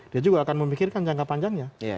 dia juga akan memikirkan jangka panjangnya